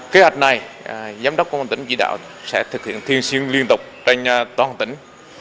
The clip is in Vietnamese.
kế hoạch này giám đốc công an tỉnh chỉ đạo sẽ thực hiện thiên xuyên liên tục trên toàn tỉnh